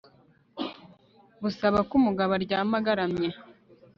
busaba ko umugabo aryama agaramye